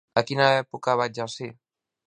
A quina època va exercir?